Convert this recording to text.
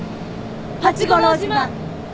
八五郎島！